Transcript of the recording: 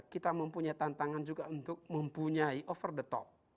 kita mempunyai tantangan juga untuk mempunyai over the top